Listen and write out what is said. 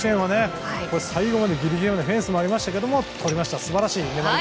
最後までギリギリのフェンスもありましたけどもとりました、素晴らしい。